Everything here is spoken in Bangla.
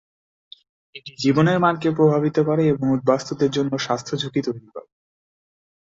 এটি জীবনের মানকে প্রভাবিত করে এবং উদ্বাস্তুদের জন্য স্বাস্থ্য ঝুঁকি তৈরি করে।